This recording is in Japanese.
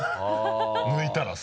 抜いたらさ。